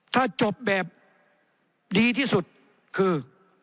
ถ้าจบแบบดีที่สุดคือ